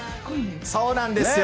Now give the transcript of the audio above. そうなんですよ。